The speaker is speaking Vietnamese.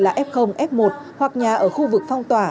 là f f một hoặc nhà ở khu vực phong tỏa